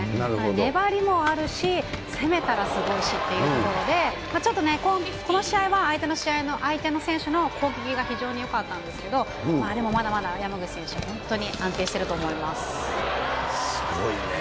粘りもあるし、攻めたらすごいしというところで、ちょっとね、この試合は相手の選手の攻撃が非常によかったんですけど、でもまだまだ山口選手、本当に安定してすごいね。